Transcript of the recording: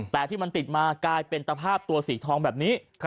แต่ที่มันติดมากลายเป็นตะภาพตัวสีทองแบบนี้